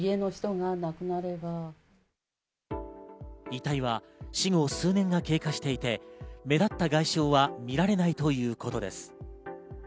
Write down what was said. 遺体は死後、数年が経過していて、目立った外傷は見られないということです。